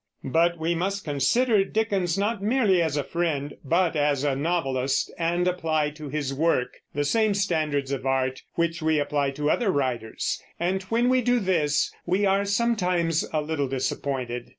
But we must consider Dickens not merely as a friend, but as a novelist, and apply to his work the same standards of art which we apply to other writers; and when we do this we are sometimes a little disappointed.